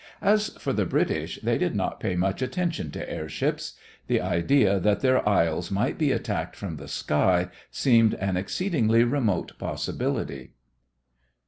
As for the British, they did not pay much attention to airships. The idea that their isles might be attacked from the sky seemed an exceedingly remote possibility.